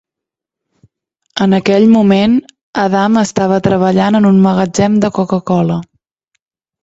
En aquell moment, Adam estava treballant en un magatzem de Coca-Cola.